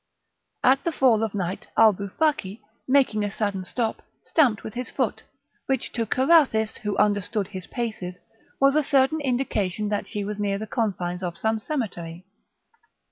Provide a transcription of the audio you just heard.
At the fall of night Alboufaki, making a sudden stop, stamped with his foot, which to Carathis, who understood his paces, was a certain indication that she was near the confines of some cemetery.